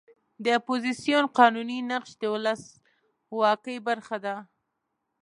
د اپوزیسیون قانوني نقش د ولسواکۍ برخه ده.